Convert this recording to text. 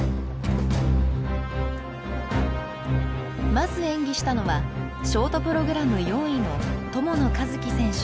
まず演技したのはショートプログラム４位の友野一希選手。